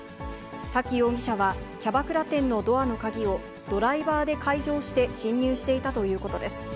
滝容疑者は、キャバクラ店のドアの鍵をドライバーで解錠して侵入していたということです。